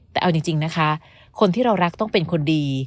แต่เอาจริงนะคะคนที่เรารักต้องเป็นคนดี